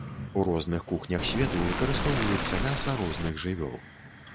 У розных кухнях свету выкарыстоўваецца мяса розных жывёл.